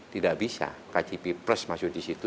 tidak bisa kjp plus masuk disitu